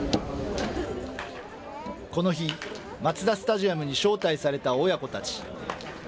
この日、マツダスタジアムに招待された親子たち。